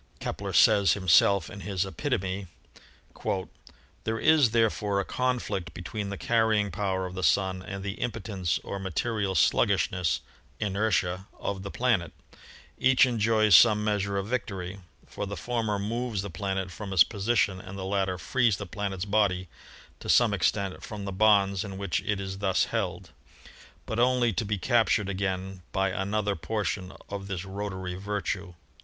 Kepler says him self in his "Epitome" : "There is, therefore, a conflict between the carrying power of the Sun and the impotence or material slug gishness (inertia) of the planet; each enjoys some measure of victory, for the former moves the planet from its position and the latter frees the planet's body to some extent from the bonds in which it is thus held, ... but only to be captured again by an other portion of this rotatory virtue."